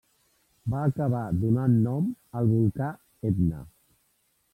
Va acabar donant nom al volcà Etna.